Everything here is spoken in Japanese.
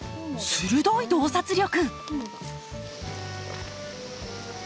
鋭い洞察力！